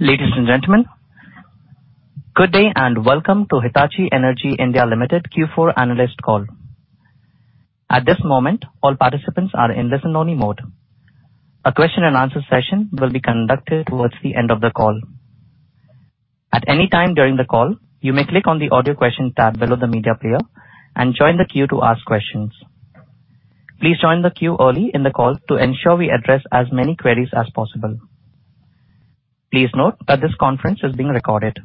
Ladies and gentlemen, good day and welcome to Hitachi Energy India Limited Q4 Analyst call. At this moment, all participants are in listen only mode. A question and answer session will be conducted towards the end of the call. At any time during the call, you may click on the audio question tab below the media player and join the queue to ask questions. Please join the queue early in the call to ensure we address as many queries as possible. Please note that this conference is being recorded.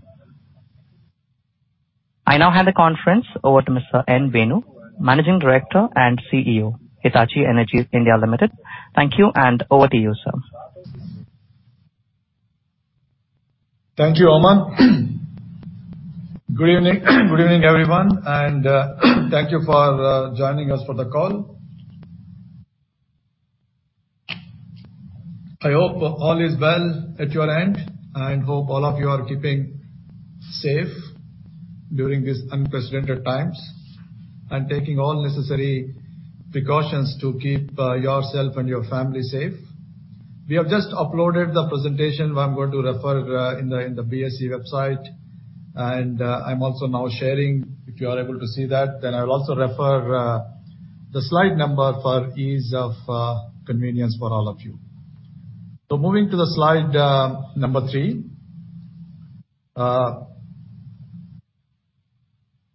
I now hand the conference over to Mr. N. Venu, Managing Director and CEO, Hitachi Energy India Limited. Thank you and over to you, sir. Thank you, Aman. Good evening. Good evening, everyone, and thank you for joining us for the call. I hope all is well at your end, and hope all of you are keeping safe during these unprecedented times and taking all necessary precautions to keep yourself and your family safe. We have just uploaded the presentation where I'm going to refer in the BSE website. I'm also now sharing, if you are able to see that. I'll also refer the slide number for ease of convenience for all of you. Moving to the Slide 3.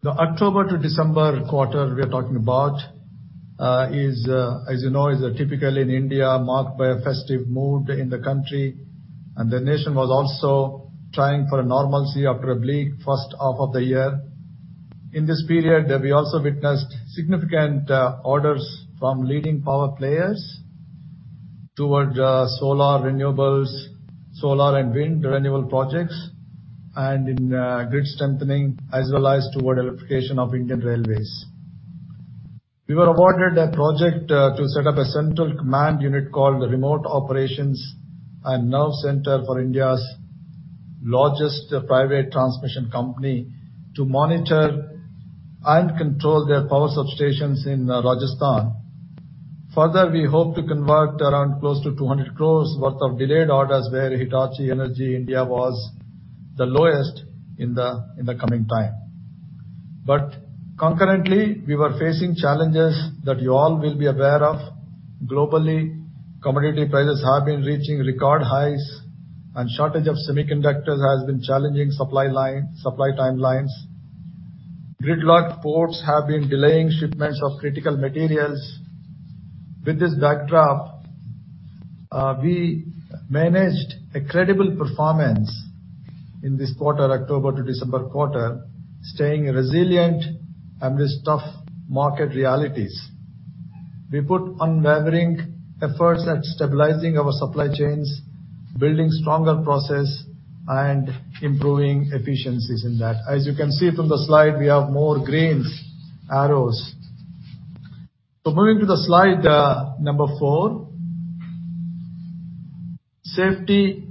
The October to December quarter we are talking about is, as you know, typically in India marked by a festive mood in the country. The nation was also trying for normalcy after a bleak first half of the year. In this period, we also witnessed significant orders from leading power players toward solar renewables, solar and wind renewable projects, and in grid strengthening, as well as toward electrification of Indian Railways. We were awarded a project to set up a central command unit called the Remote Operations and Nerve Center for India's largest private transmission company to monitor and control their power substations in Rajasthan. Further, we hope to convert around close to 200 crore worth of delayed orders, where Hitachi Energy India was the lowest in the coming time. Concurrently, we were facing challenges that you all will be aware of. Globally, commodity prices have been reaching record highs and shortage of semiconductors has been challenging supply timelines. Gridlocked ports have been delaying shipments of critical materials. With this backdrop, we managed a credible performance in this quarter, October to December quarter, staying resilient amidst tough market realities. We put unwavering efforts at stabilizing our supply chains, building stronger process, and improving efficiencies in that. As you can see from the slide, we have more green arrows. Moving to the Slide 4. Safety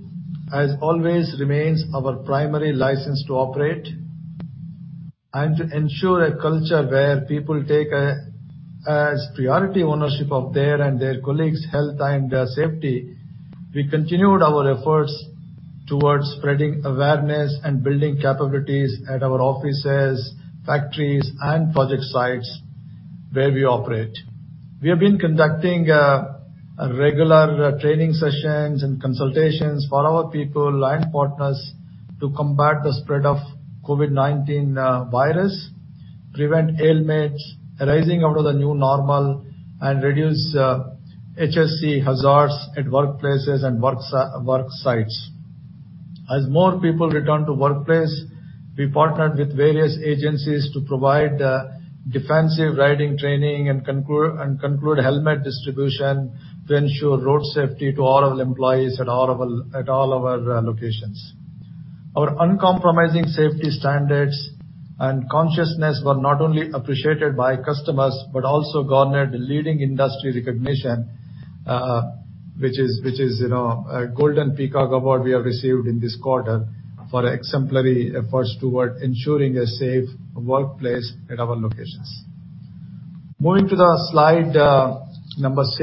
as always remains our primary license to operate. To ensure a culture where people take a priority ownership of their and their colleagues' health and safety, we continued our efforts towards spreading awareness and building capabilities at our offices, factories, and project sites where we operate. We have been conducting regular training sessions and consultations for our people and partners to combat the spread of COVID-19 virus, prevent ailments arising out of the new normal, and reduce HSE hazards at workplaces and worksites. As more people return to workplace, we partnered with various agencies to provide defensive riding training and conclude helmet distribution to ensure road safety to all of employees at all of our locations. Our uncompromising safety standards and consciousness were not only appreciated by customers, but also garnered leading industry recognition, which is, you know, a Golden Peacock Award we have received in this quarter for exemplary efforts toward ensuring a safe workplace at our locations. Moving to the Slide 6.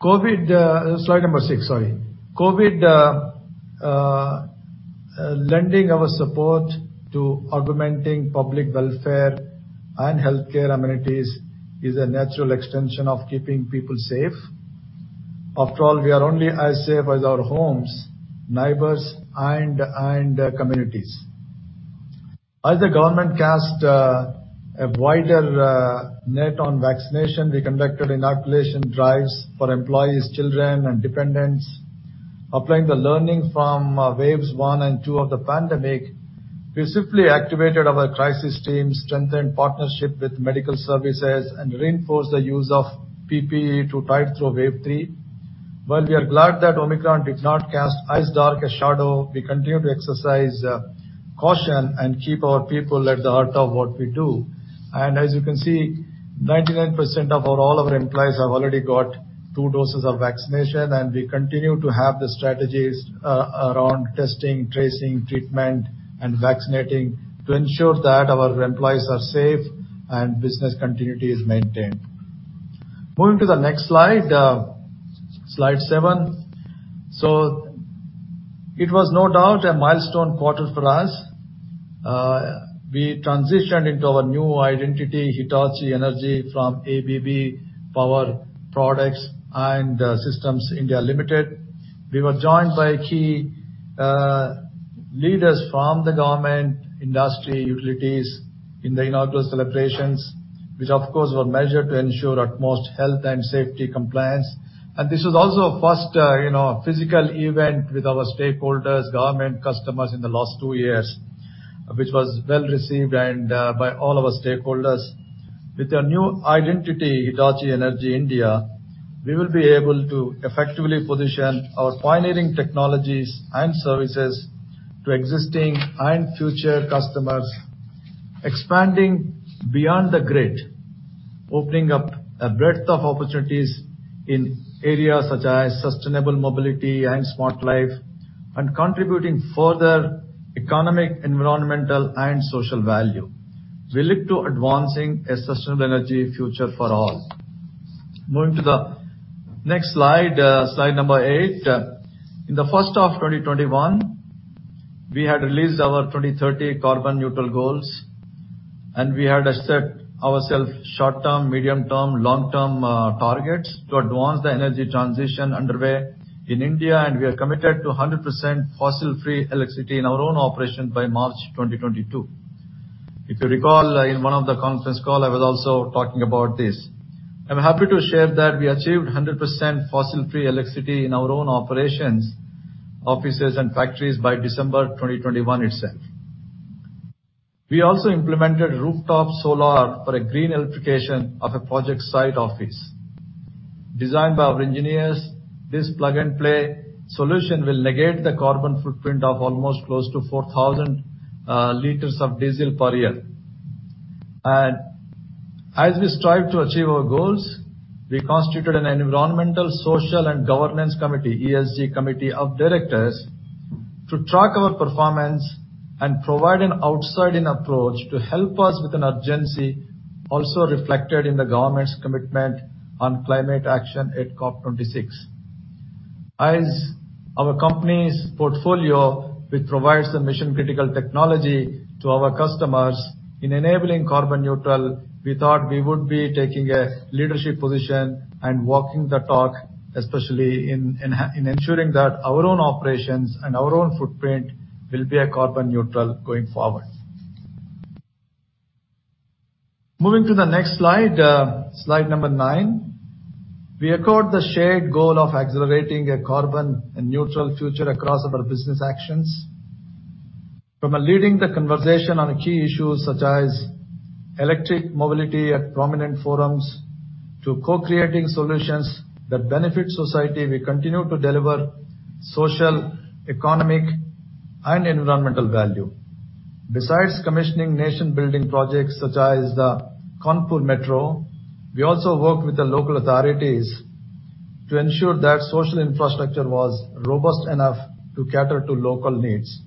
COVID-19. COVID-19, lending our support to augmenting public welfare and healthcare amenities is a natural extension of keeping people safe. After all, we are only as safe as our homes, neighbors and communities. As the government cast a wider net on vaccination, we conducted inoculation drives for employees, children and dependents. Applying the learning from waves one and two of the pandemic, we swiftly activated our crisis team, strengthened partnership with medical services, and reinforced the use of PPE to tide through wave three. While we are glad that Omicron did not cast as dark a shadow, we continue to exercise caution and keep our people at the heart of what we do. As you can see, 99% of all of our employees have already got two doses of vaccination, and we continue to have the strategies around testing, tracing, treatment, and vaccinating to ensure that our employees are safe and business continuity is maintained. Moving to the next slide seven. It was no doubt a milestone quarter for us. We transitioned into our new identity, Hitachi Energy, from ABB Power Products and Systems India Limited. We were joined by key leaders from the government, industry, utilities in the inaugural celebrations, which of course, were measured to ensure utmost health and safety compliance. This was also a first, physical event with our stakeholders, government, customers in the last two years, which was well-received by all our stakeholders. With a new identity, Hitachi Energy India, we will be able to effectively position our pioneering technologies and services to existing and future customers, expanding beyond the grid, opening up a breadth of opportunities in areas such as sustainable mobility and smart life, and contributing further economic, environmental, and social value. We look to advancing a sustainable energy future for all. Moving to the next slide number 8. In the first half of 2021, we had released our 2030 carbon neutral goals, and we had set ourselves short-term, medium-term, long-term, targets to advance the energy transition underway in India, and we are committed to 100% fossil-free electricity in our own operation by March 2022. If you recall, in one of the conference call, I was also talking about this. I'm happy to share that we achieved 100% fossil-free electricity in our own operations, offices, and factories by December 2021 itself. We also implemented rooftop solar for a green electrification of a project site office. Designed by our engineers, this plug-and-play solution will negate the carbon footprint of almost close to 4,000 liters of diesel per year. As we strive to achieve our goals, we constituted an environmental, social, and governance committee, ESG committee, of directors to track our performance and provide an outside-in approach to help us with an urgency also reflected in the government's commitment on climate action at COP 26. As our company's portfolio, which provides a mission-critical technology to our customers in enabling carbon neutral, we thought we would be taking a leadership position and walking the talk, especially in ensuring that our own operations and our own footprint will be a carbon neutral going forward. Moving to the next Slide 9. We accord the shared goal of accelerating a carbon-neutral future across our business actions. From leading the conversation on key issues such as electric mobility at prominent forums to co-creating solutions that benefit society, we continue to deliver social, economic, and environmental value. Besides commissioning nation-building projects such as the Kanpur Metro, we also work with the local authorities to ensure that social infrastructure was robust enough to cater to local needs.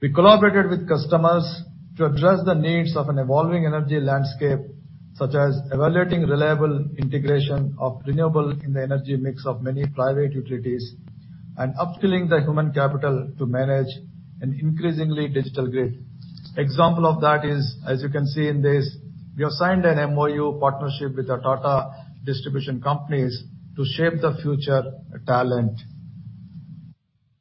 We collaborated with customers to address the needs of an evolving energy landscape, such as evaluating reliable integration of renewable in the energy mix of many private utilities and upskilling the human capital to manage an increasingly digital grid. Example of that is, as you can see in this, we have signed an MOU partnership with the Tata distribution companies to shape the future talent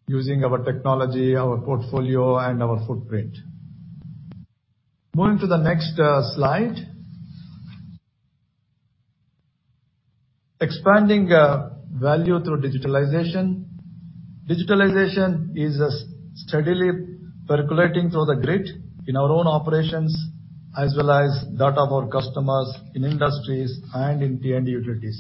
using our technology, our portfolio, and our footprint. Moving to the next slide. Expanding value through digitalization. Digitalization is steadily percolating through the grid in our own operations as well as that of our customers in industries and in T&D utilities.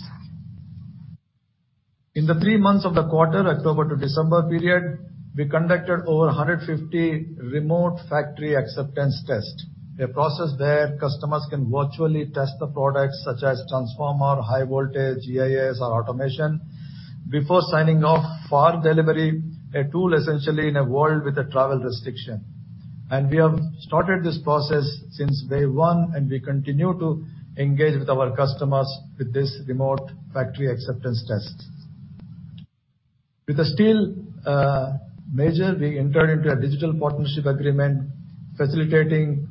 In the three months of the quarter, October to December period, we conducted over 150 remote factory acceptance test, a process that customers can virtually test the products such as transformer, high voltage, GIS or automation before signing off for delivery, a tool essentially in a world with a travel restriction. We have started this process since day one, and we continue to engage with our customers with this remote factory acceptance test. With the steel major, we entered into a digital partnership agreement facilitating a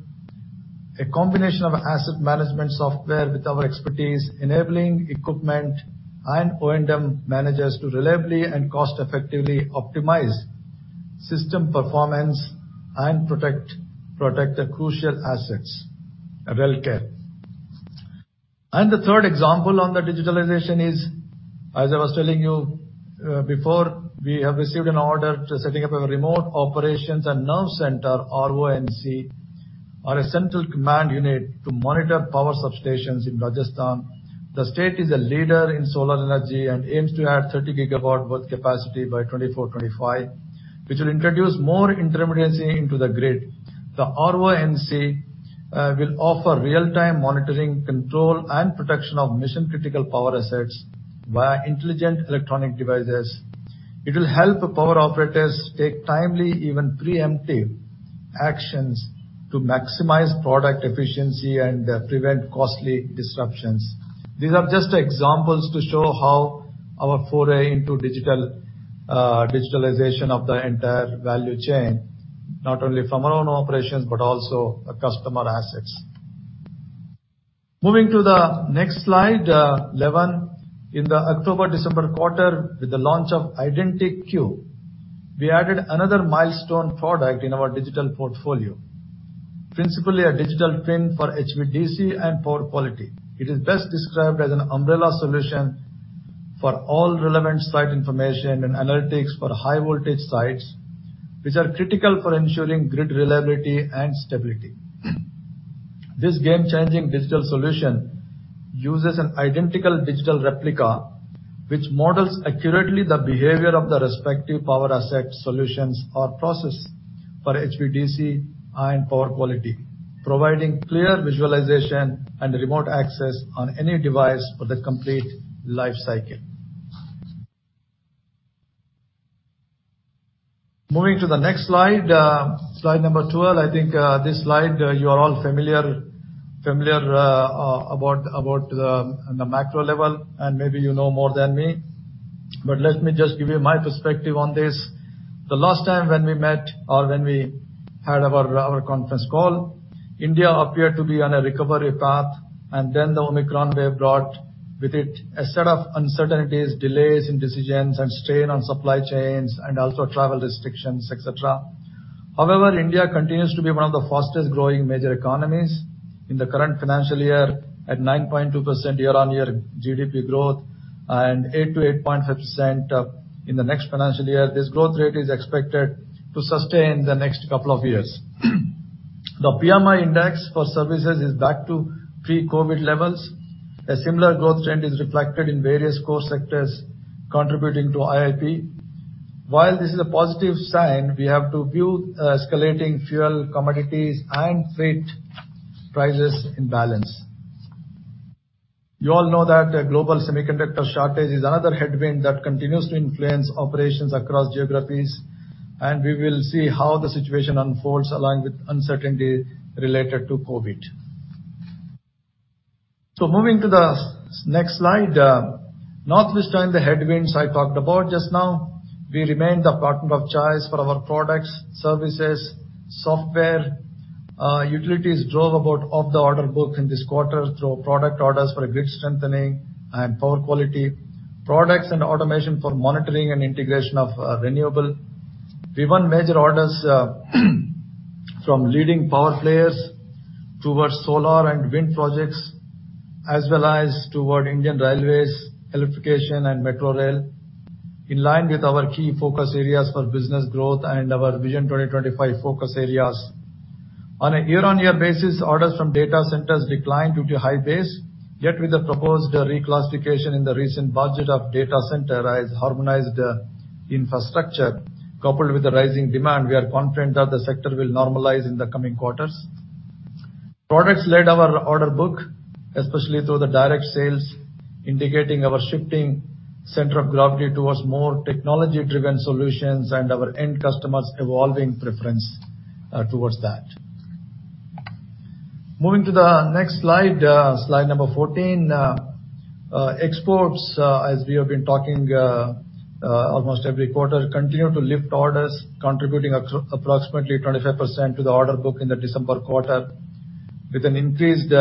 combination of asset management software with our expertise, enabling equipment and O&M managers to reliably and cost-effectively optimize system performance and protect the crucial assets. RelCare. The third example on the digitalization is, as I was telling you, before, we have received an order for setting up a remote operations and nerve center, RONC, or a central command unit to monitor power substations in Rajasthan. The state is a leader in solar energy and aims to add 30 gigawatts worth of capacity by 2024-2025, which will introduce more intermittency into the grid. The RONC will offer real time monitoring, control, and protection of mission-critical power assets via intelligent electronic devices. It will help the power operators take timely, even preemptive actions to maximize product efficiency and prevent costly disruptions. These are just examples to show how our foray into digitalization of the entire value chain, not only from our own operations, but also our customer assets. Moving to the next slide, eleven. In the October-December quarter, with the launch of IdentiQ, we added another milestone product in our digital portfolio, principally a digital twin for HVDC and power quality. It is best described as an umbrella solution for all relevant site information and analytics for high voltage sites, which are critical for ensuring grid reliability and stability. This game-changing digital solution uses an identical digital replica which models accurately the behavior of the respective power asset solutions or process for HVDC and power quality, providing clear visualization and remote access on any device for the complete life cycle. Moving to the next Slide 12. I think, this slide, you are all familiar about the macro level, and maybe more than me. Let me just give you my perspective on this. The last time when we met or when we had our conference call, India appeared to be on a recovery path, and then the Omicron wave brought with it a set of uncertainties, delays in decisions and strain on supply chains and also travel restrictions, et cetera. However, India continues to be one of the fastest growing major economies in the current financial year at 9.2% year-on-year GDP growth and 8%-8.5% in the next financial year. This growth rate is expected to sustain the next couple of years. The PMI index for services is back to pre-COVID levels. A similar growth trend is reflected in various core sectors contributing to IIP. While this is a positive sign, we have to view escalating fuel, commodities, and freight prices in balance. You all know that a global semiconductor shortage is another headwind that continues to influence operations across geographies, and we will see how the situation unfolds along with uncertainty related to COVID-19. Moving to the next slide. Notwithstanding the headwinds I talked about just now, we remain the partner of choice for our products, services, software. Utilities drove about 60% of the order book in this quarter through product orders for grid strengthening and power quality, products and automation for monitoring and integration of renewable. We won major orders from leading power players towards solar and wind projects, as well as toward Indian Railways electrification and metro rail, in line with our key focus areas for business growth and our Vision 2025 focus areas. On a year-on-year basis, orders from data centers declined due to high base. Yet with the proposed reclassification in the recent budget of data center as harmonized infrastructure, coupled with the rising demand, we are confident that the sector will normalize in the coming quarters. Products led our order book, especially through the direct sales, indicating our shifting center of gravity towards more technology-driven solutions and our end customers' evolving preference towards that. Moving to the next Slide 14. Exports, as we have been talking almost every quarter, continue to lift orders, contributing approximately 25% to the order book in the December quarter, with an increased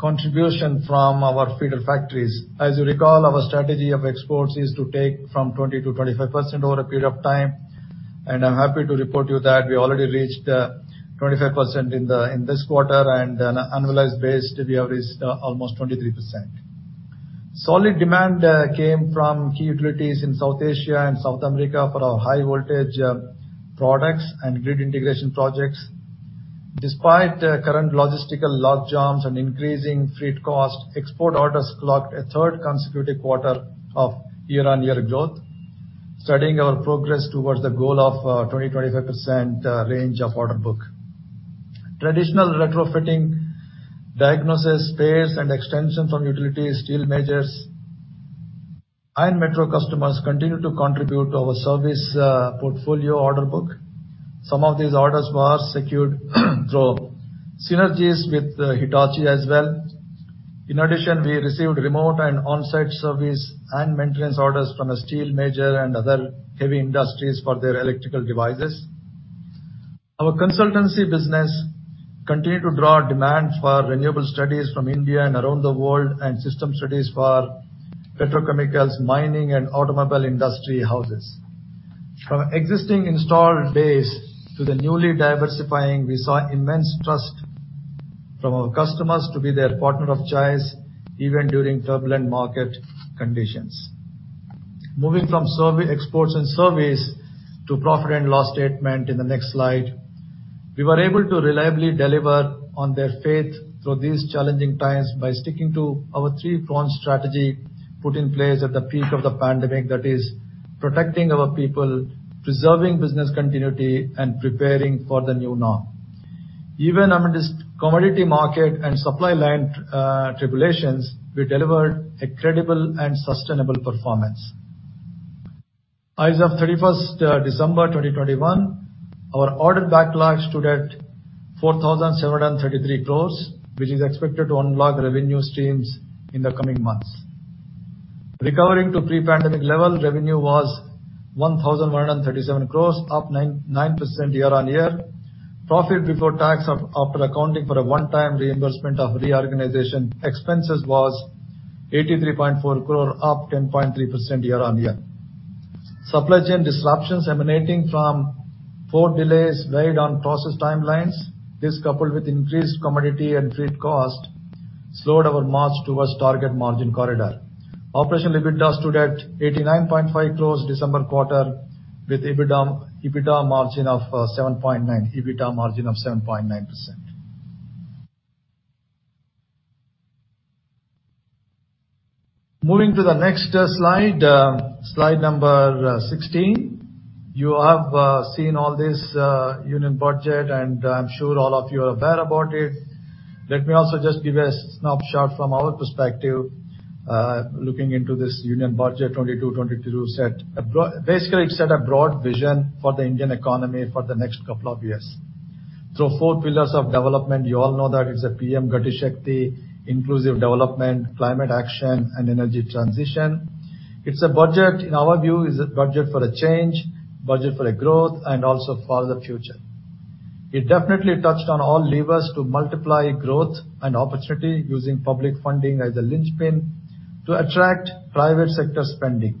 contribution from our feeder factories. As you recall, our strategy of exports is to take from 20%-25% over a period of time, and I'm happy to report to you that we already reached 25% in this quarter, and on an annualized base, we have reached almost 23%. Solid demand came from key utilities in South Asia and South America for our high voltage products and grid integration projects. Despite current logistical logjams and increasing freight costs, export orders clocked a third consecutive quarter of year-on-year growth, solidifying our progress towards the goal of 20%-25% range of order book. Traditional retrofitting, diagnosis, spares and extensions from utilities, steel majors and metro customers continue to contribute to our service portfolio order book. Some of these orders were secured through synergies with Hitachi as well. In addition, we received remote and on-site service and maintenance orders from a steel major and other heavy industries for their electrical devices. Our consultancy business continued to draw demand for renewable studies from India and around the world, and system studies for petrochemicals, mining and automobile industry houses. From existing installed base to the newly diversifying, we saw immense trust from our customers to be their partner of choice even during turbulent market conditions. Moving from exports and service to profit and loss statement in the next slide. We were able to reliably deliver on their faith through these challenging times by sticking to our three-pronged strategy put in place at the peak of the pandemic. That is protecting our people, preserving business continuity, and preparing for the new norm. Even amid this commodity market and supply line tribulations, we delivered a credible and sustainable performance. As of December 31, 2021, our order backlog stood at 4,733 crore, which is expected to unlock revenue streams in the coming months. Recovering to pre-pandemic level, revenue was 1,137 crore, up 9% year-on-year. Profit before tax, after accounting for a one-time reimbursement of reorganization expenses, was 83.4 crore, up 10.3% year-on-year. Supply chain disruptions emanating from port delays weighed on process timelines. This, coupled with increased commodity and freight cost, slowed our march towards target margin corridor. Operational EBITDA stood at 89.5 crore December quarter, with EBITDA margin of 7.9%. Moving to the next Slide 16. You have seen all this Union Budget, and I'm sure all of you are aware about it. Let me also just give a snapshot from our perspective, looking into this Union Budget 2022. Basically, it set a broad vision for the Indian economy for the next couple of years. Through four pillars of development, you all know that it's PM Gati Shakti, inclusive development, climate action, and energy transition. It's a budget, in our view, is a budget for a change, budget for a growth, and also for the future. It definitely touched on all levers to multiply growth and opportunity using public funding as a linchpin to attract private sector spending.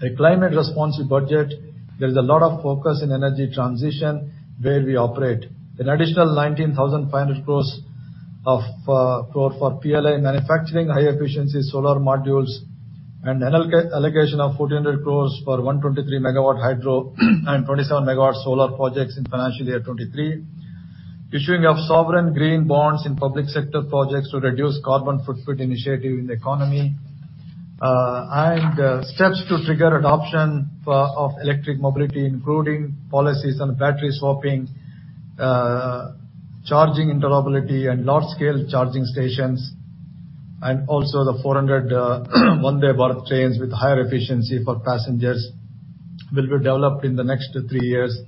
It's a climate responsive budget. There is a lot of focus in energy transition where we operate. An additional 19,500 crore for PLI manufacturing high efficiency solar modules and allocation of 1,400 crore for 123 MW hydro and 27 MW solar projects in FY2023. Issuing of sovereign green bonds in public sector projects to reduce carbon footprint initiative in the economy, and steps to trigger adoption of electric mobility, including policies on battery swapping, charging interoperability, and large scale charging stations. Also the 400 Vande Bharat trains with higher efficiency for passengers will be developed in the next three years,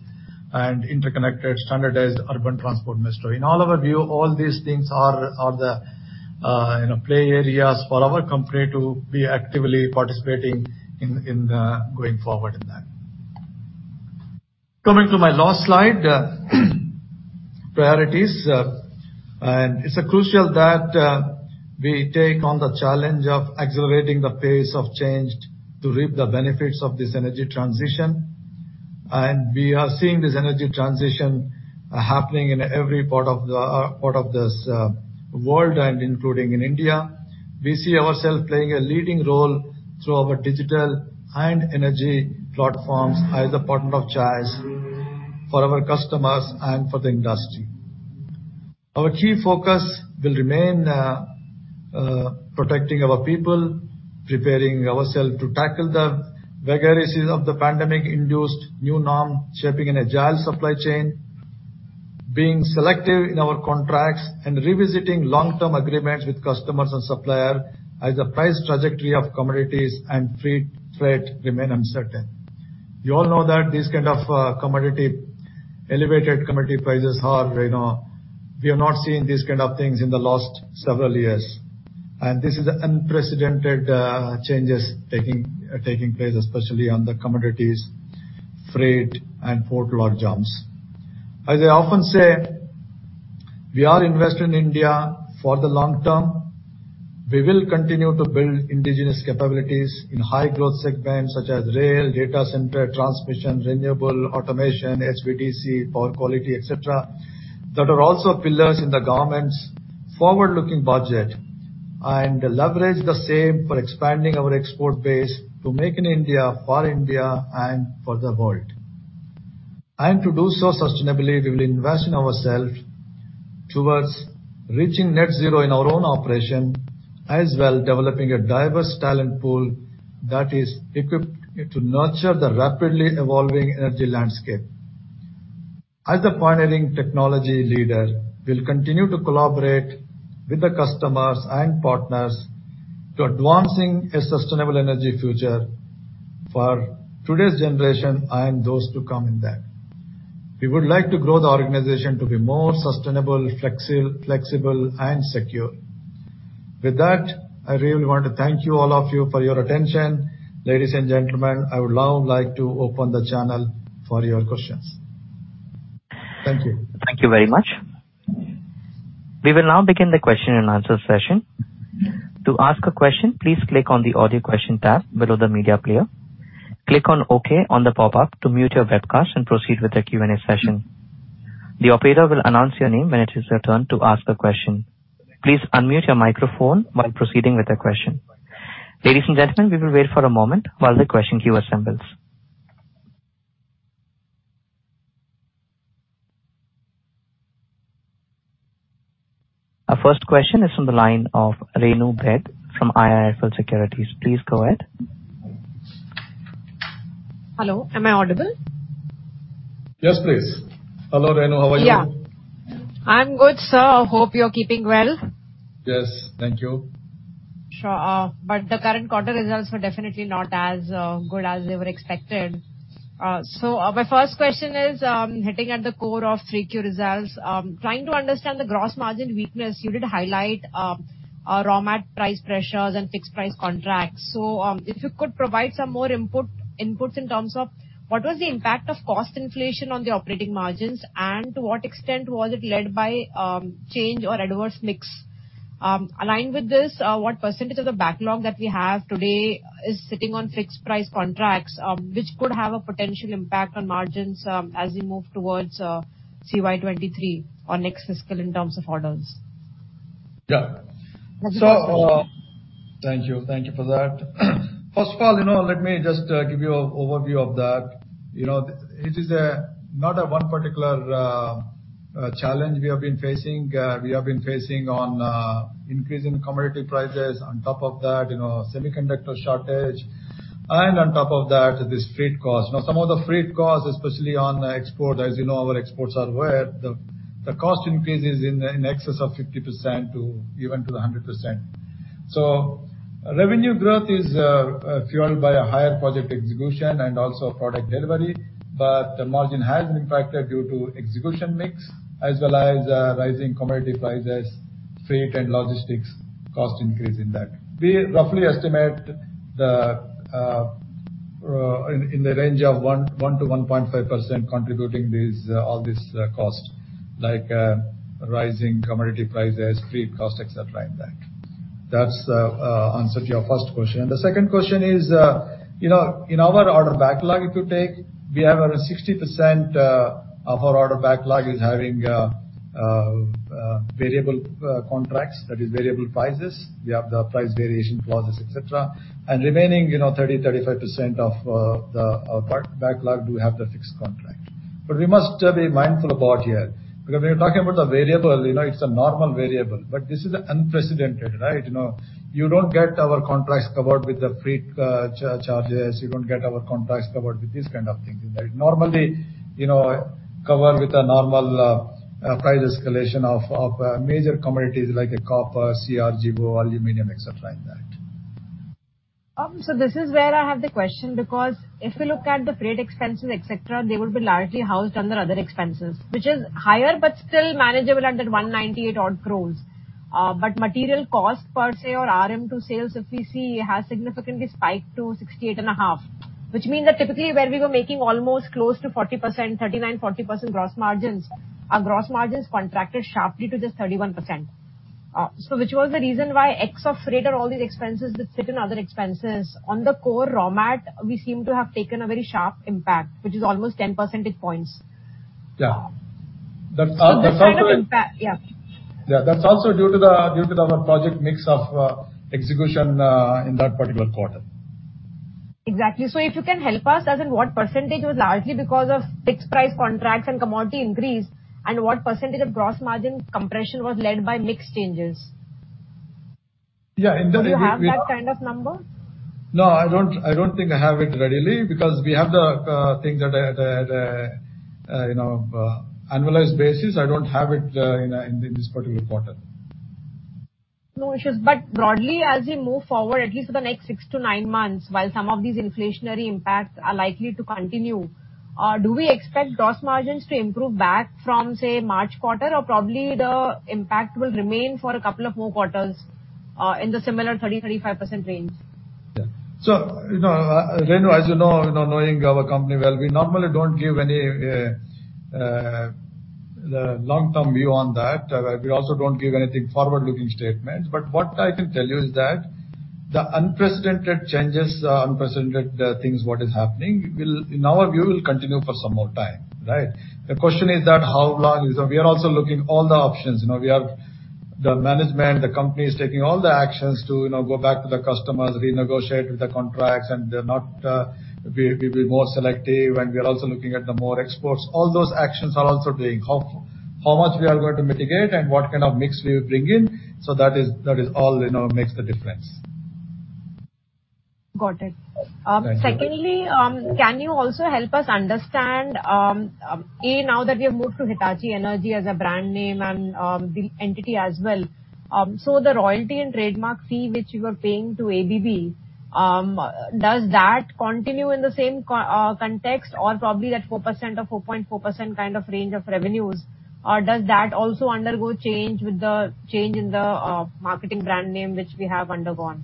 and interconnected standardized urban transport metro. In all of our view, all these things are the, play areas for our company to be actively participating in going forward in that. Coming to my last slide, priorities. It's crucial that we take on the challenge of accelerating the pace of change to reap the benefits of this energy transition. We are seeing this energy transition happening in every part of this world and including in India. We see ourselves playing a leading role through our digital and energy platforms as a partner of choice for our customers and for the industry. Our key focus will remain protecting our people, preparing ourselves to tackle the vagaries of the pandemic-induced new norm, shaping an agile supply chain, being selective in our contracts, and revisiting long-term agreements with customers and suppliers as the price trajectory of commodities and freight remain uncertain. You all know that this kind of elevated commodity prices are. We have not seen these kind of things in the last several years. This is unprecedented, changes taking place, especially on the commodities, freight, and port logjams. As I often say, we are invested in India for the long term. We will continue to build indigenous capabilities in high growth segments such as rail, data center, transmission, renewable, automation, HVDC, power quality, et cetera, that are also pillars in the government's forward-looking budget. Leverage the same for expanding our export base to Make in India for India and for the world. To do so sustainably, we will invest in ourselves towards reaching net zero in our own operations, as well as developing a diverse talent pool that is equipped to nurture the rapidly evolving energy landscape. As a pioneering technology leader, we'll continue to collaborate with the customers and partners to advancing a sustainable energy future for today's generation and those to come in that. We would like to grow the organization to be more sustainable, flexible, and secure. With that, I really want to thank you, all of you, for your attention. Ladies and gentlemen, I would now like to open the channel for your questions. Thank you. Thank you very much. We will now begin the question and answer session. To ask a question, please click on the Audio Question tab below the media player. Click on Okay on the popup to mute your webcast and proceed with the Q&A session. The operator will announce your name when it is your turn to ask a question. Please unmute your microphone while proceeding with the question. Ladies and gentlemen, we will wait for a moment while the question queue assembles. Our first question is from the line of Renu Baid from IIFL Securities. Please go ahead. Hello, am I audible? Yes, please. Hello, Renu. How are you? Yeah. I'm good, sir. Hope you're keeping well. Yes, thank you. Sure. The current quarter results were definitely not as good as they were expected. My first question is hitting at the core of Q3 results, trying to understand the gross margin weakness. You did highlight raw material price pressures and fixed price contracts. If you could provide some more input in terms of what was the impact of cost inflation on the operating margins and to what extent was it led by change or adverse mix. Aligned with this, what percentage of the backlog that we have today is sitting on fixed price contracts, which could have a potential impact on margins, as we move towards CY 2023 or next fiscal in terms of orders. Yeah. That's it. Thank you. Thank you for that. First of all, let me just give you an overview of that. It is not one particular challenge we have been facing. We have been facing an increase in commodity prices, on top of that, semiconductor shortage, and on top of that, this freight cost. Now, some of the freight costs, especially on export, as our exports are where the cost increases in excess of 50% to even 100%. Revenue growth is fueled by a higher project execution and also product delivery, but the margin has been impacted due to execution mix, as well as rising commodity prices, freight and logistics cost increase in that. We roughly estimate in the range of 1%-1.5% contributing these costs, like rising commodity prices, freight costs, et cetera, like that. That's answer to your first question. The second question is, in our order backlog, if you take, we have 60% of our order backlog having variable contracts, that is variable prices. We have the price variation clauses, et cetera. Remaining, 30%-35% of our backlog, we have the fixed contract. We must be mindful about here, because when you're talking about the variable, it's a normal variable, but this is unprecedented, right? You don't get our contracts covered with the freight charges. You don't get our contracts covered with these kind of things. Normally, covered with a normal, price escalation of major commodities like copper, CR-GO, aluminum, et cetera, like that. This is where I have the question, because if you look at the freight expenses, et cetera, they will be largely housed under other expenses, which is higher but still manageable at that 198 crore. Material cost per se or RM to sales, if we see, has significantly spiked to 68.5%. Which means that typically where we were making almost close to 40% gross margins, our gross margins contracted sharply to just 31%. Which was the reason why ex of freight or all these expenses which sit in other expenses, on the core raw mat, we seem to have taken a very sharp impact, which is almost 10 percentage points. Yeah. That's also. That kind of impact. Yeah. Yeah. That's also due to our project mix of execution in that particular quarter. Exactly. If you can help us, as in what percentage was largely because of fixed price contracts and commodity increase, and what percentage of gross margin compression was led by mix changes? Yeah. Do you have that kind of number? No, I don't think I have it readily because we have the things at a you know annualized basis. I don't have it in this particular quarter. No issues. Broadly, as we move forward, at least for the next six to nine months, while some of these inflationary impacts are likely to continue, do we expect gross margins to improve back from, say, March quarter, or probably the impact will remain for a couple of more quarters, in the similar 30%-35% range? Yeah. Renu, as you know, knowing our company well, we normally don't give any long-term view on that. We also don't give anything forward-looking statements. What I can tell you is that the unprecedented changes, unprecedented things what is happening will, in our view, continue for some more time, right? The question is that how long is. We are also looking at all the options. You know, we have the management, the company is taking all the actions to, you know, go back to the customers, renegotiate with the contracts, and we'll be more selective, and we are also looking at more exports. All those actions are also doing. How much we are going to mitigate and what kind of mix we will bring in, so that is all, you know, makes the difference. Got it. Thank you. Secondly, can you also help us understand, now that we have moved to Hitachi Energy as a brand name and the entity as well, so the royalty and trademark fee which you were paying to ABB, does that continue in the same context or probably that 4% or 4.4% kind of range of revenues? Or does that also undergo change with the change in the marketing brand name which we have undergone?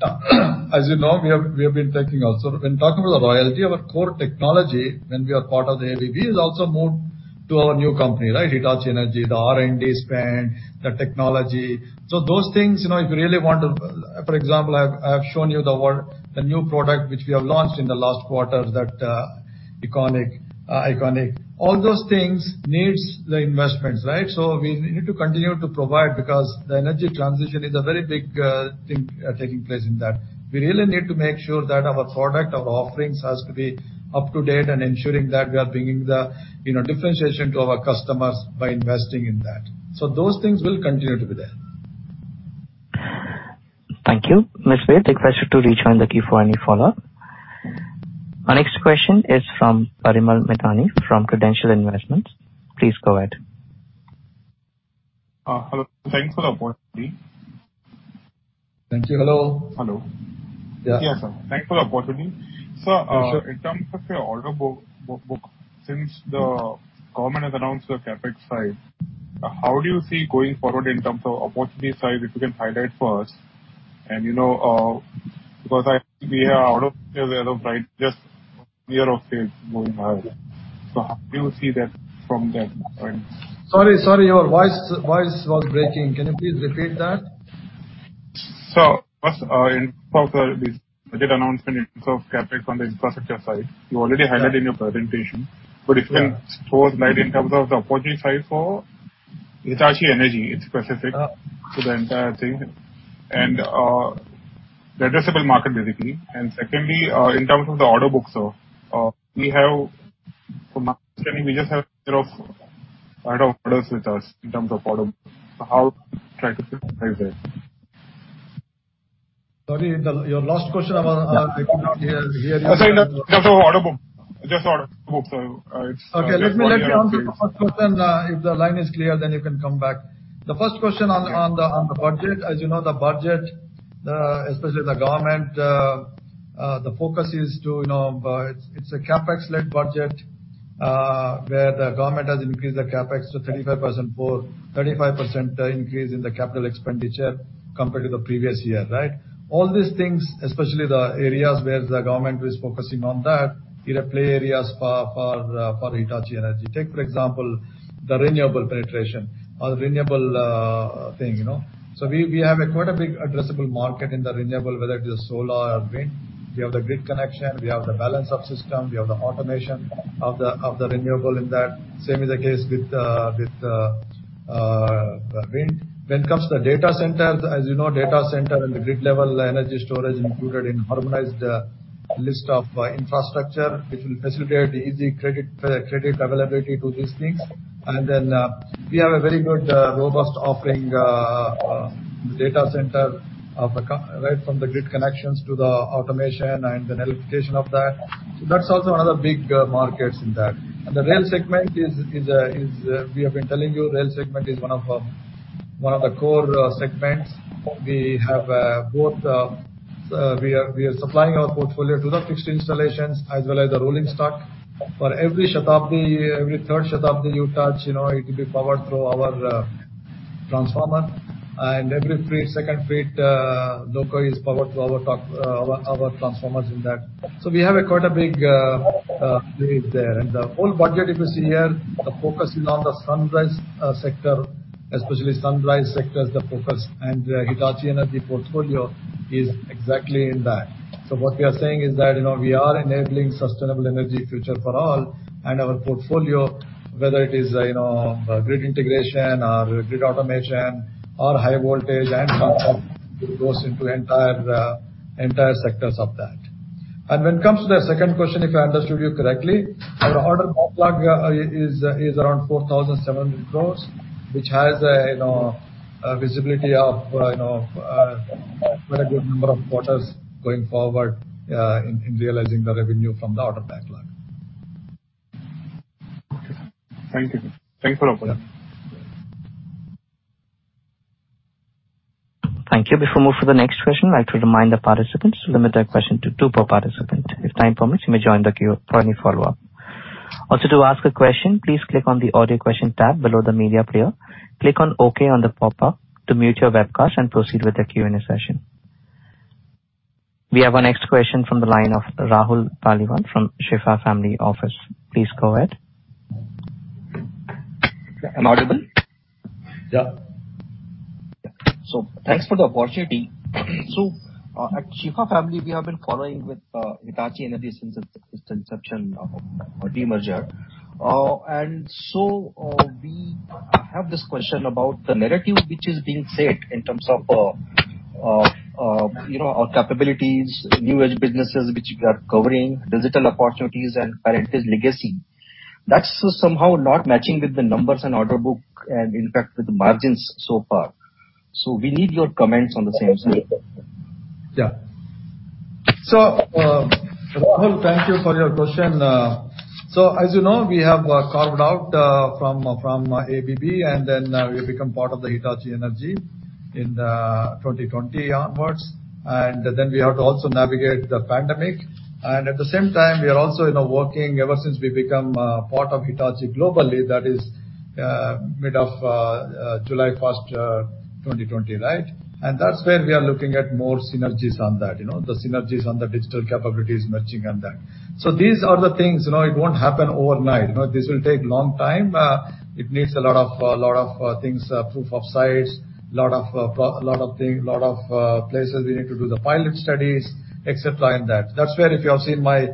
Yeah. As you know, we have been taking also. When talking about the royalty, our core technology, when we are part of the ABB, is also moved to our new company, right? Hitachi Energy, the R&D spend, the technology. Those things, you know, if you really want to. For example, I've shown you the new product which we have launched in the last quarter, that EconiQ. All those things needs the investments, right? We need to continue to provide because the energy transition is a very big thing taking place in that. We really need to make sure that our product, our offerings has to be up to date and ensuring that we are bringing the, differentiation to our customers by investing in that. Those things will continue to be there. Thank you. Ms. Ved, I request you to rejoin the queue for any follow-up. Our next question is from Parimal Mithani from Credential Investments. Please go ahead. Hello. Thanks for the opportunity. Thank you. Hello. Hello. Yeah. Yes, sir. Thanks for the opportunity. Sir. Yes, sir. In terms of your order book, since the government has announced the CapEx side, how do you see going forward in terms of opportunity side, if you can highlight for us? Because we are aware of, right, just a year of it going higher. How do you see that from that point? Sorry, your voice was breaking. Can you please repeat that? First, in terms of this budget announcement in terms of CapEx on the infrastructure side, you already highlighted in your presentation. Yeah. If you can throw us light in terms of the opportunity side for Hitachi Energy, it's specific. Uh. to the entire thing. The addressable market, basically. Secondly, in terms of the order book, sir. From my understanding, we just have sort of a lot of orders with us in terms of order book. So how do you try to get there? Sorry, your last question, I couldn't hear you. I said in terms of order book. Just order book, sir. It's Okay, let me answer the first question. If the line is clear, then you can come back. The first question on the budget. As you know, the budget, especially the government, the focus is to, you know. It's a CapEx led budget, where the government has increased the CapEx by 35% compared to the previous year, right? All these things, especially the areas where the government is focusing on that, play areas for Hitachi Energy. Take for example, the renewable penetration or the renewable thing. We have quite a big addressable market in the renewable, whether it is solar or wind. We have the grid connection, we have the balance subsystem, we have the automation of the renewable in that. Same is the case with the wind. When it comes to the data centers, as you know, data center and the grid level energy storage included in harmonized list of infrastructure, which will facilitate easy credit availability to these things. We have a very good robust offering. Right from the grid connections to the automation and then electrification of that. That's also another big markets in that. We have been telling you, the rail segment is one of the core segments. We are supplying our portfolio to the fixed installations as well as the rolling stock. For every Shatabdi, every third Shatabdi you touch, you know, it will be powered through our transformer. Every three second freight loco is powered through our transformers in that. We have quite a big belief there. The whole budget, if you see here, the focus is on the sunrise sector, especially sunrise sector is the focus. Hitachi Energy portfolio is exactly in that. What we are saying is that, we are enabling sustainable energy future for all. Our portfolio, whether it is, grid integration or grid automation or high voltage and concept, it goes into entire sectors of that. When it comes to the second question, if I understood you correctly, our order backlog is around 4,700 crores, which has a you know a visibility of you know very good number of quarters going forward in realizing the revenue from the order backlog. Okay. Thank you. Thanks for the opportunity. Yeah. Thank you. Before we move to the next question, I'd like to remind the participants to limit their question to two per participant. If time permits, you may join the queue for any follow-up. Also, to ask a question, please click on the Audio Question tab below the media player. Click on Okay on the popup to mute your webcast and proceed with the Q&A session. We have our next question from the line of Rahul Paliwal from Shefa Family Office. Please go ahead. Am I audible? Yeah. Thanks for the opportunity. At Shifa Family we have been following Hitachi Energy since its inception or demerger. We have this question about the narrative which is being said in terms of our capabilities, new age businesses which we are covering, digital opportunities and parentage legacy. That's somehow not matching with the numbers and order book and in fact with the margins so far. We need your comments on the same, sir. Yeah, Rahul, thank you for your question. As you know, we have carved out from ABB, and then we become part of the Hitachi Energy in 2020 onwards. We have to also navigate the pandemic. At the same time we are also, you know, working ever since we become part of Hitachi globally. That is mid of July first 2020, right? That's where we are looking at more synergies on that. The synergies on the digital capabilities merging on that. These are the things, you know, it won't happen overnight. This will take long time. It needs a lot of things, proof of sites, lot of things. Lots of places we need to do the pilot studies, et cetera, and that. That's where if you have seen my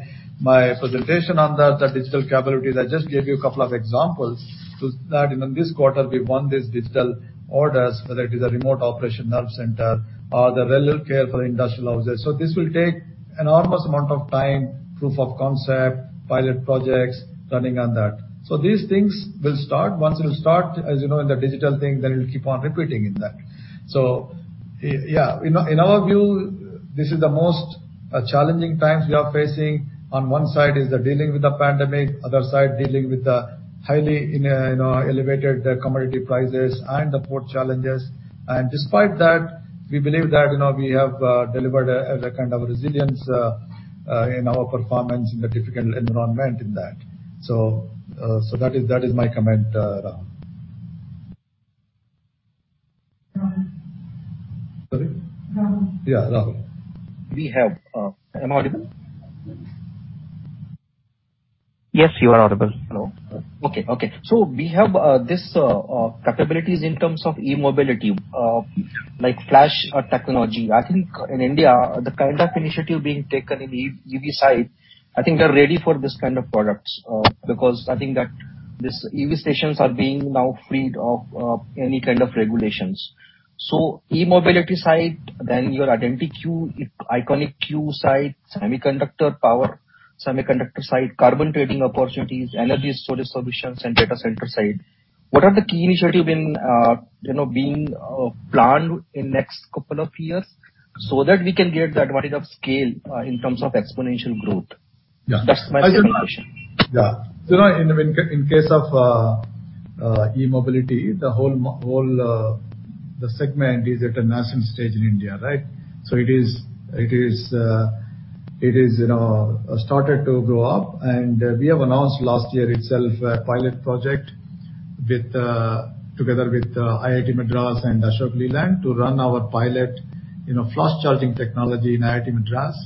presentation on the digital capabilities, I just gave you a couple of examples to that. In this quarter we won these digital orders, whether it is a remote operation nerve center or RelCare for industrial houses. This will take enormous amount of time, proof of concept, pilot projects, running on that. These things will start. Once it'll start, in the digital thing, then it'll keep on repeating in that. Yeah, in our view, this is the most challenging times we are facing. On one side is the dealing with the pandemic, other side dealing with the high inflation, you know, elevated commodity prices and the port challenges. Despite that, we believe that, we have delivered a kind of resilience in our performance in the difficult environment in that. That is my comment, Rahul. Rahul. Sorry? Rahul. Yeah, Rahul. Am I audible? Yes, you are audible. Hello. Okay. We have this capabilities in terms of e-mobility, like flash technology. I think in India, the kind of initiative being taken in the EV side, I think they're ready for this kind of products, because I think that these EV stations are being now freed of any kind of regulations. E-mobility side, then your IdentiQ, EconiQ side, semiconductor power, semiconductor side, carbon trading opportunities, energy storage solutions and data center side. What are the key initiatives being planned in next couple of years so that we can get the advantage of scale in terms of exponential growth? Yeah. That's my simple question. Yeah. In case of e-mobility, the whole segment is at a nascent stage in India, right? It is, started to grow up. We have announced last year itself a pilot project together with IIT Madras and Ashok Leyland to run our pilot, flash charging technology in IIT Madras.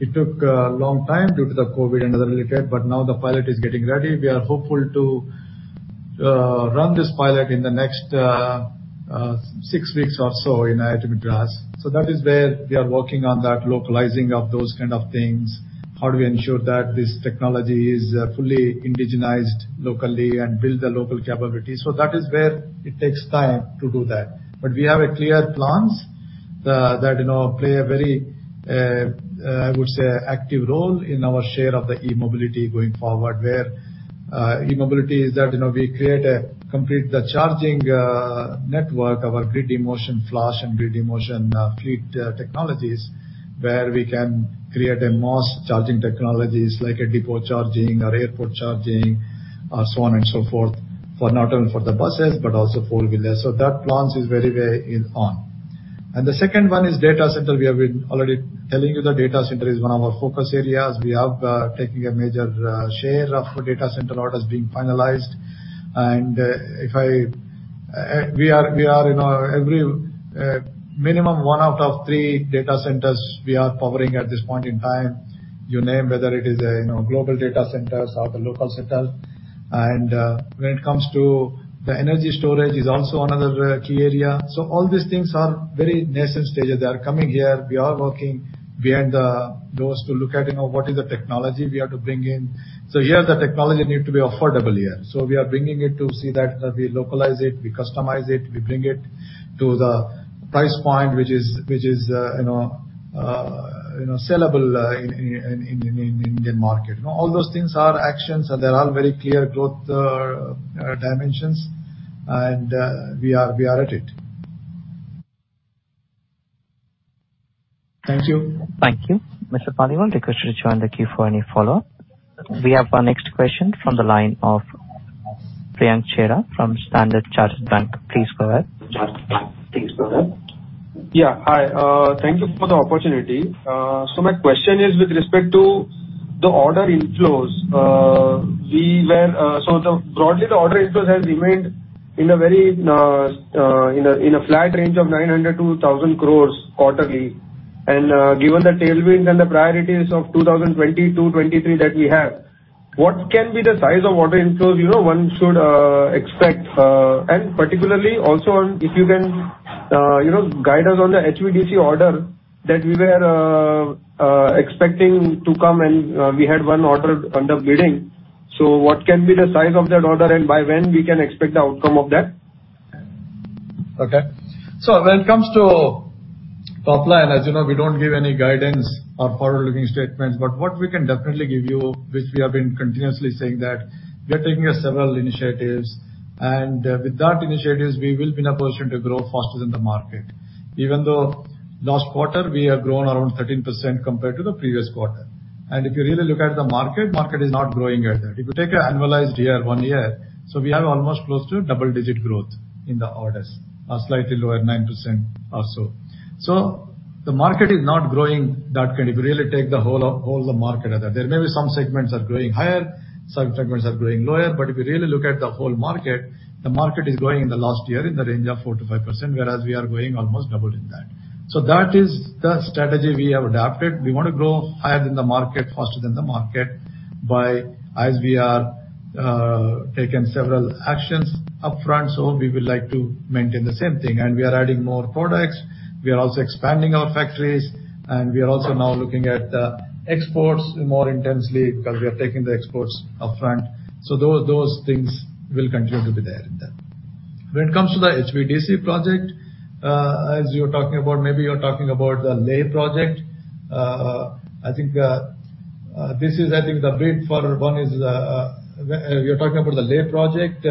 It took a long time due to the COVID-19 and other delay, but now the pilot is getting ready. We are hopeful to run this pilot in the next six weeks or so in IIT Madras. That is where we are working on that localizing of those kind of things. How do we ensure that this technology is fully indigenized locally and build the local capability? That is where it takes time to do that. We have a clear plans that, play a very I would say active role in our share of the e-mobility going forward. Where e-mobility is that, we create a complete the charging network, our Grid-eMotion Flash and Grid-eMotion fleet technologies, where we can create a mass charging technologies like a depot charging or airport charging so on and so forth, for not only the buses but also four-wheeler. That plans is very, very in on. The second one is data center. We have been already telling you the data center is one of our focus areas. We have taking a major share of data center orders being finalized. If I We are in every minimum one out of three data centers we are covering at this point in time. You name it whether it is, you know, global data centers or the local centers. When it comes to the energy storage is also another key area. All these things are very nascent stages. They are coming here. We are working behind closed doors to look at, you know, what is the technology we have to bring in. Here the technology need to be affordable here. We are bringing it to see that we localize it, we customize it, we bring it to the price point, which is sellable in Indian market. All those things are actions, and they're all very clear growth dimensions. We are at it. Thank you. Thank you. Mr. Paliwal, I request you to join the queue for any follow-up. We have our next question from the line of Priyank Chheda from Standard Chartered Bank. Please go ahead. Please go ahead. Yeah. Hi, thank you for the opportunity. My question is with respect to the order inflows. Broadly, the order inflows has remained in a very flat range of 900 crore-1,000 crore quarterly. Given the tailwind and the priorities of 2020 to 2023 that we have, what can be the size of order inflows, one should expect? Particularly also on, if you can, guide us on the HVDC order that we were expecting to come and we had one order under bidding. What can be the size of that order, and by when we can expect the outcome of that? Okay. When it comes to top line, as you know, we don't give any guidance or forward-looking statements, but what we can definitely give you, which we have been continuously saying that we are taking several initiatives, and with those initiatives we will be in a position to grow faster than the market. Even though last quarter we have grown around 13% compared to the previous quarter. If you really look at the market is not growing at that. If you take an annualized year, one year, so we have almost close to double-digit growth in the orders. A slightly lower 9% or so. The market is not growing that kind. If you really take the whole of the market at that. There may be some segments are growing higher, some segments are growing lower. If you really look at the whole market, the market is growing in the last year in the range of 4%-5%, whereas we are growing almost double in that. That is the strategy we have adapted. We want to grow higher than the market, faster than the market, as we are taking several actions upfront, so we would like to maintain the same thing. We are adding more products. We are also expanding our factories, and we are also now looking at exports more intensely because we are taking the exports upfront. Those things will continue to be there in that. When it comes to the HVDC project, as you're talking about, maybe you're talking about the Leh project. I think this is, I think the bid for one is, we are talking about the Leh project,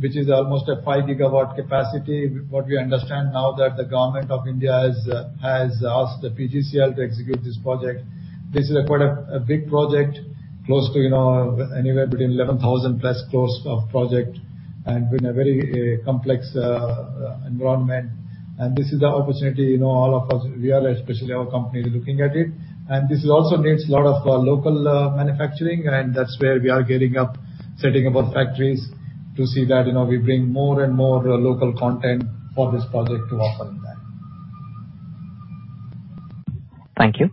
which is almost a 5 GW capacity. What we understand now is that the government of India has asked the PGCIL to execute this project. This is quite a big project, close to, you know, anywhere between 11,000 crore plus cost of project and in a very complex environment. This is the opportunity, you know, all of us, we are especially our company is looking at it. This also needs a lot of local manufacturing, and that's where we are gearing up, setting up our factories to see that, we bring more and more local content for this project to offer in that. Thank you.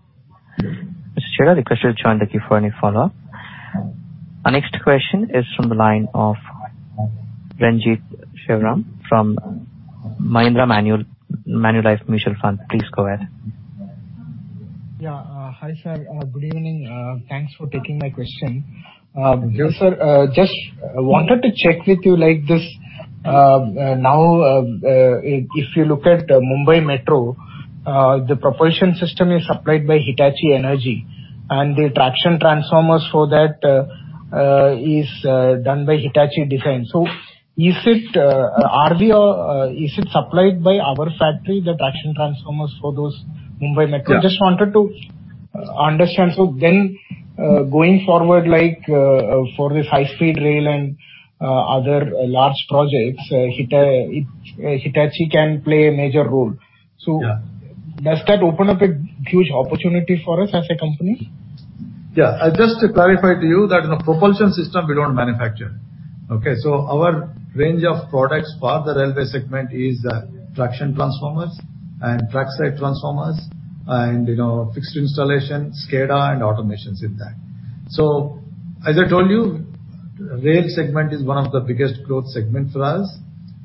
Mr. Chheda, the line is open with you for any follow-up. Our next question is from the line of Renjith Sivaram from Mahindra Manulife Mutual Fund. Please go ahead. Yeah. Hi, sir. Good evening. Thanks for taking my question. Sir, just wanted to check with you like this, now, if you look at Mumbai Metro, the propulsion system is supplied by Hitachi Energy, and the traction transformers for that is done by Hitachi design. So is it supplied by our factory, the traction transformers for those Mumbai Metro? Yeah. Just wanted to understand. Going forward, like, for this high-speed rail and other large projects, Hitachi can play a major role. Yeah. Does that open up a huge opportunity for us as a company? Yeah. Just to clarify to you that in a propulsion system we don't manufacture. Okay? Our range of products for the railway segment is traction transformers and track side transformers and, fixed installation, SCADA and automations in that. As I told you, rail segment is one of the biggest growth segment for us,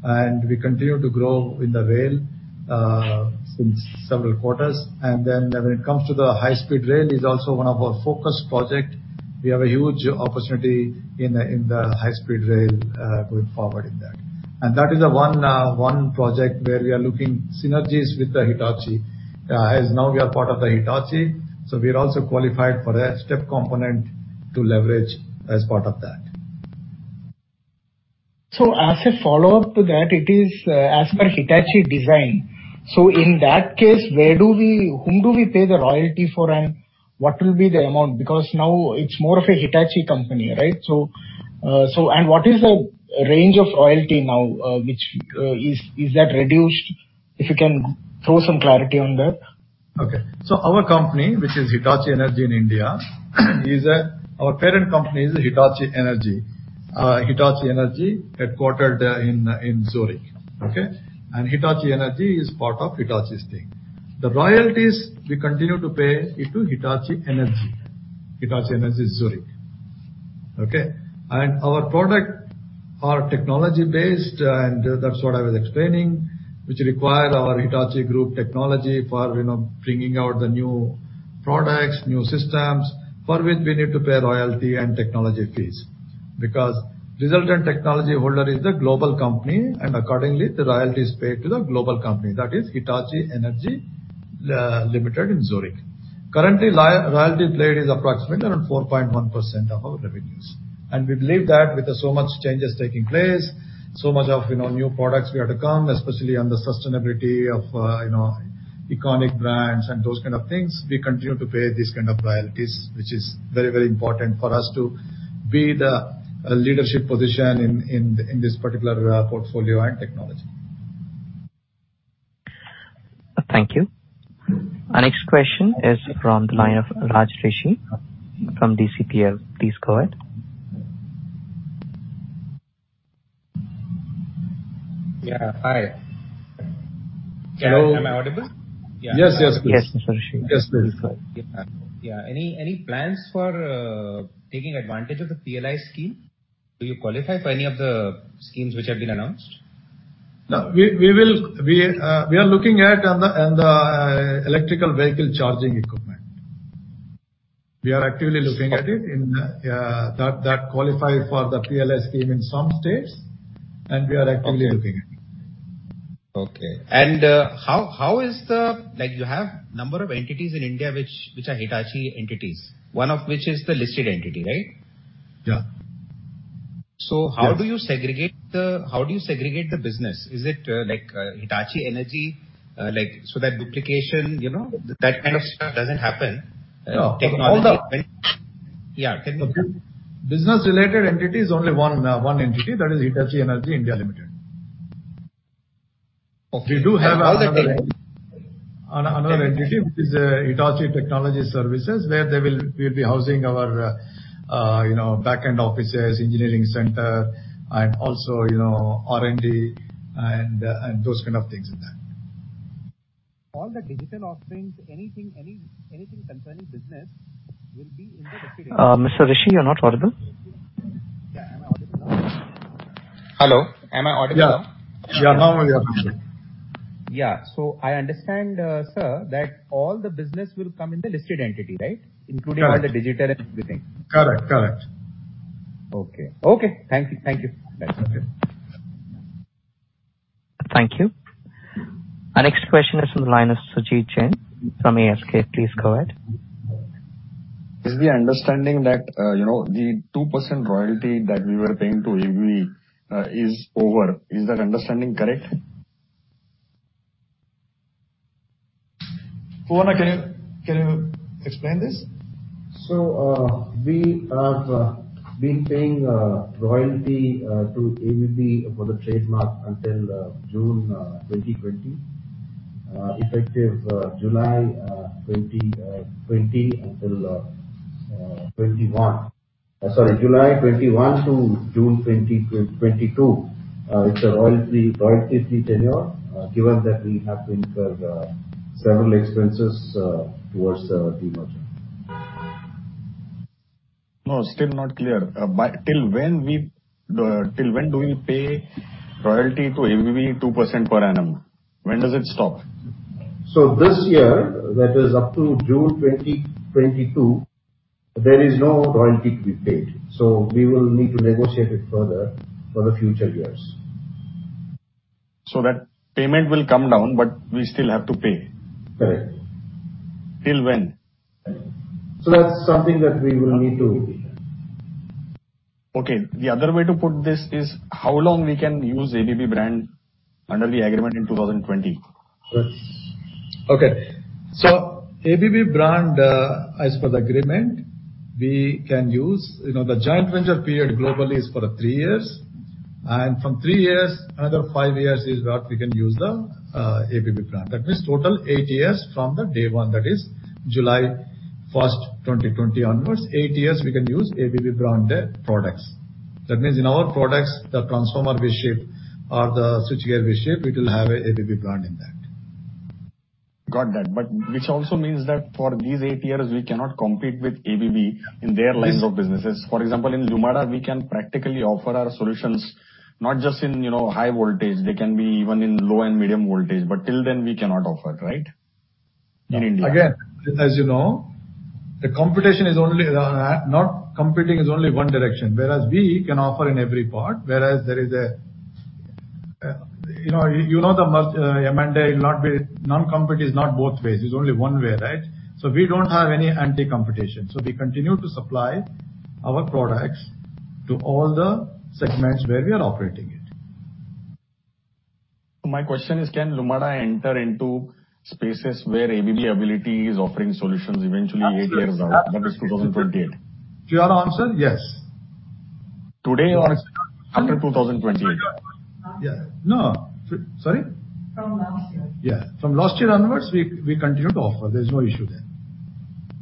and we continue to grow in the rail since several quarters. When it comes to the high-speed rail, it is also one of our focus project. We have a huge opportunity in the high-speed rail going forward in that. That is the one project where we are looking synergies with the Hitachi. As now we are part of the Hitachi, so we are also qualified for that step component to leverage as part of that. As a follow-up to that, it is as per Hitachi design. In that case, whom do we pay the royalty for and what will be the amount? Because now it's more of a Hitachi company, right? And what is the range of royalty now, which is that reduced? If you can throw some clarity on that. Okay. Our company, which is Hitachi Energy in India, is our parent company is Hitachi Energy. Hitachi Energy headquartered in Zurich. Okay? Hitachi Energy is part of Hitachi's thing. The royalties we continue to pay it to Hitachi Energy. Hitachi Energy, Zurich. Okay? Our product are technology-based, and that's what I was explaining, which require our Hitachi group technology for, you know, bringing out the new products, new systems, for which we need to pay royalty and technology fees. Because resultant technology holder is the global company, and accordingly, the royalty is paid to the global company, that is Hitachi Energy, Limited in Zurich. Currently, royalty paid is approximately around 4.1% of our revenues. We believe that with so many changes taking place, so much of, you know, new products we have to come, especially on the sustainability of, EconiQ brands and those kind of things, we continue to pay these kind of royalties, which is very, important for us to be the leadership position in this particular portfolio and technology. Thank you. Our next question is from the line of Raj Rishi from DCPL. Please go ahead. Yeah. Hi. Hello. Am I audible? Yes, yes. Yes, Mr. Raj Rishi. Yes, please go ahead. Yeah. Any plans for taking advantage of the PLI scheme? Do you qualify for any of the schemes which have been announced? No. We are looking at the electric vehicle charging equipment. We are actively looking at it in that qualify for the PLI scheme in some states, and we are actively looking at it. Like you have number of entities in India which are Hitachi entities, one of which is the listed entity, right? Yeah. How do you segregate the? Yes. How do you segregate the business? Is it, like, Hitachi Energy, like, so that duplication, that kind of stuff doesn't happen? No. Technology. Yeah. Tell me. Business-related entity is only one entity. That is Hitachi Energy India Limited. Okay. We do have another entity, which is Hitachi Energy Technology Services, where we'll be housing our back-end offices, engineering center and also R&D and those kind of things in that. All the digital offerings, anything concerning business will be in the listed entity. Mr. Rishi, you're not audible. Yeah. Am I audible now? Hello. Am I audible now? Yeah. Yeah, now we are. Yeah. I understand, sir, that all the business will come in the listed entity, right? Yeah. Including all the digital and everything. Correct. Correct. Okay. Thank you. That's okay. Thank you. Our next question is from the line of Sujit Sen from ASK. Please go ahead. Is the understanding the 2% royalty that we were paying to ABB is over? Is that understanding correct? Purna, can you explain this? We have been paying royalty to ABB for the trademark until June 2020. Effective July 2020 until 2021. Sorry, July 2021 to June 2022, it's a royalty-free tenure, given that we have incurred several expenses towards the merger. No, still not clear. Till when do we pay royalty to ABB 2% per annum? When does it stop? This year, that is up to June 2022, there is no royalty to be paid, so we will need to negotiate it further for the future years. That payment will come down, but we still have to pay? Correct. Till when? That's something that we will need to. Okay. The other way to put this is how long we can use ABB brand under the agreement in 2020? Yes. Okay. ABB brand, as per the agreement, we can use, you know, the joint venture period globally is for 3 years. From three years, another five years is what we can use the ABB brand. That means total 8 years from day one, that is July 1, 2020 onwards. eight years we can use ABB brand products. That means in our products, the transformer we ship or the switchgear we ship, it will have a ABB brand in that. Got that. Which also means that for these eight years we cannot compete with ABB in their lines of businesses. For example, in Lumada, we can practically offer our solutions not just in, high voltage, they can be even in low and medium voltage, but till then we cannot offer, right? In India. Again, as you know, the non-compete is only one direction, whereas we can offer in every part. Non-compete is not both ways, it's only one way, right? We don't have any non-competition. We continue to supply our products to all the segments where we are operating in. My question is, can Lumada enter into spaces where ABB Ability is offering solutions eventually eight years out? Absolutely. That is two thousand and twenty-eight. Clear answer, yes. Today or after 2028? Yeah. No. Sorry? From last year. Yeah. From last year onwards, we continue to offer. There's no issue there.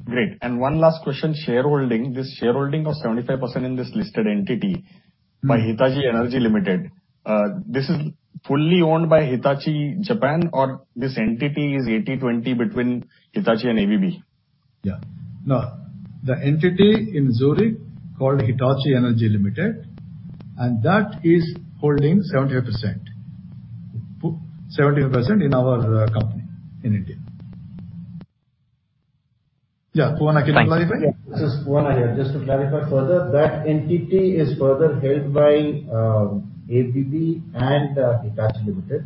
Great. One last question, shareholding. This shareholding of 75% in this listed entity. Mm-hmm. By Hitachi Energy Ltd., is this fully owned by Hitachi Ltd., or is this entity 80-20 between Hitachi and ABB? Yeah. No. The entity in Zurich called Hitachi Energy Ltd., and that is holding 75%. 70% in our company in India. Yeah. Poovanna, can you clarify? This is Poovanna here. Just to clarify further, that entity is further held by ABB and Hitachi Limited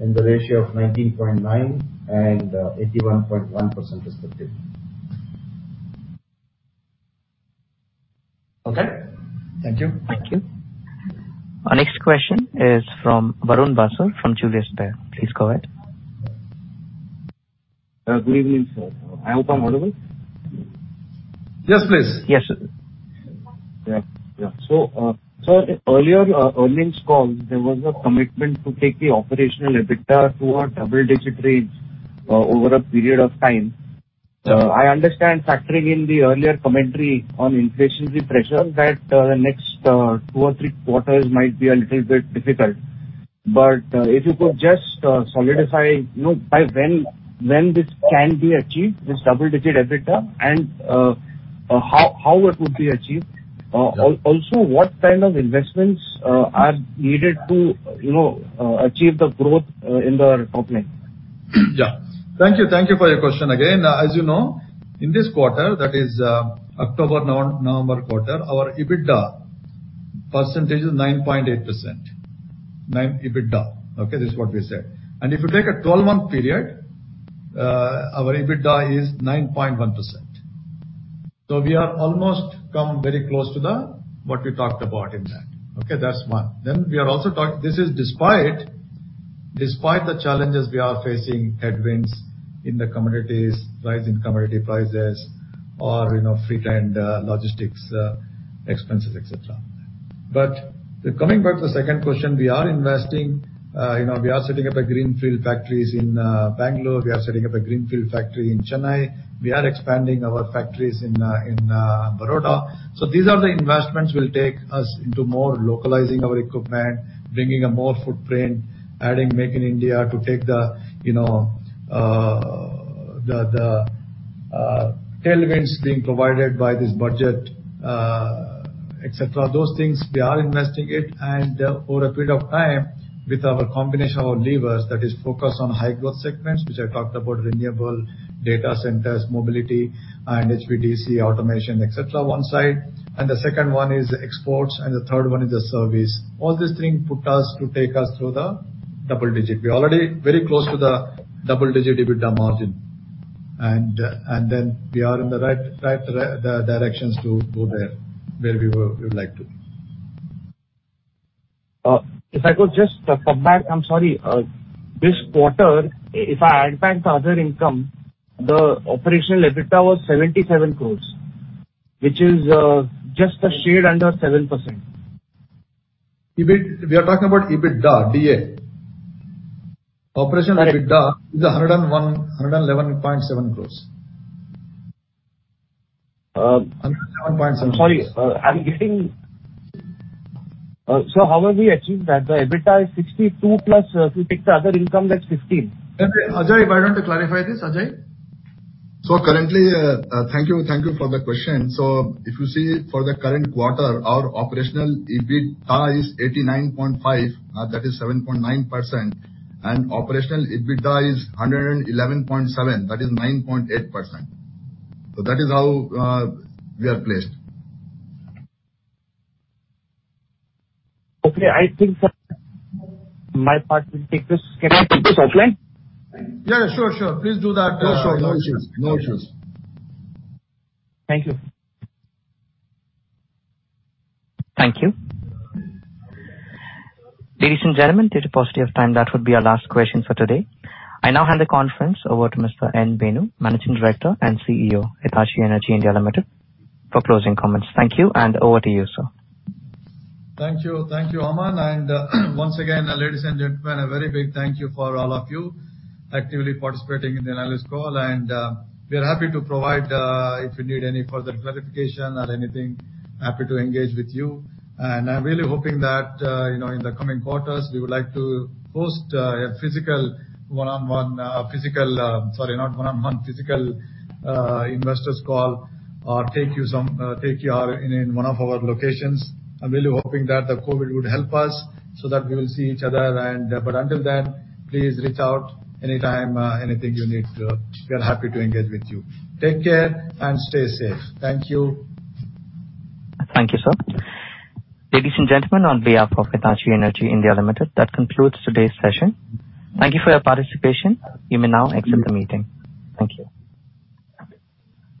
in the ratio of 19.9% and 81.1% respectively. Okay? Thank you. Thank you. Our next question is from Varun Basrur from Julius Baer. Please go ahead. Good evening, sir. I hope I'm audible. Yes, please. In the earlier earnings call, there was a commitment to take the operational EBITDA to a double-digit range over a period of time. I understand factoring in the earlier commentary on inflationary pressures that the next two or three quarters might be a little bit difficult. If you could just solidify, you know, by when this can be achieved, this double-digit EBITDA, and how it would be achieved. Also, what kind of investments are needed to, you know, achieve the growth in the top line? Thank you. Thank you for your question again. As you know, in this quarter, that is, October-November quarter, our EBITDA percentage is 9.8%. 9 EBITDA. Okay? This is what we said. If you take a 12-month period, our EBITDA is 9.1%. We are almost come very close to what we talked about in that. Okay? That's one. We are also despite the challenges we are facing headwinds in the commodities, rise in commodity prices or, freight and logistics expenses, et cetera. Coming back to the second question, we are investing, you know, we are setting up greenfield factories in Bangalore. We are setting up a greenfield factory in Chennai. We are expanding our factories in Baroda. These are the investments will take us into more localizing our equipment, bringing a more footprint, adding Make in India to take the, you know, the tailwinds being provided by this budget, et cetera. Those things we are investing it and over a period of time with our combination of our levers, that is focused on high growth segments, which I talked about renewables, data centers, mobility and HVDC, automation, et cetera, one side. The second one is exports, and the third one is the service. All these things put us to take us through the double-digit. We're already very close to the double-digit EBITDA margin. Then we are in the right directions to go there, where we would like to. If I could just come back. I'm sorry. This quarter, if I add back the other income, the operational EBITDA was 77 crore, which is just a shade under 7%. We are talking about EBITDA. Right. Operational EBITDA is INR 111.7 crores. Um- Hundred and eleven point seven crores. How have we achieved that? The EBITDA is 62 if you take the other income of 15, the total becomes 77 Ajay, why don't you clarify this, Ajay? Thank you. Thank you for the question. If you see for the current quarter, our operational EBITDA is 89.5, that is 7.9%, and operational EBITDA is 111.7, that is 9.8%. That is how we are placed. Okay. I think for my part, we'll take this. Can I take this offline? Yeah, sure. Sure. No issues. Thank you. Thank you. Ladies and gentlemen, due to paucity of time, that would be our last question for today. I now hand the conference over to Mr. Venu Nuguri, Managing Director and CEO, Hitachi Energy India Limited, for closing comments. Thank you, and over to you, sir. Thank you. Thank you, Aman. Once again, ladies and gentlemen, a very big thank you for all of you actively participating in the analyst call. We are happy to provide if you need any further clarification or anything, happy to engage with you. I'm really hoping that you know, in the coming quarters we would like to host a physical one-on-one, physical. Sorry, not one-on-one, physical investors call or take you some, take you in one of our locations. I'm really hoping that the COVID-19 would help us so that we will see each other. But until then, please reach out anytime, anything you need to. We are happy to engage with you. Take care and stay safe. Thank you. Thank you, sir. Ladies and gentlemen, on behalf of Hitachi Energy India Limited, that concludes today's session. Thank you for your participation. You may now exit the meeting. Thank you.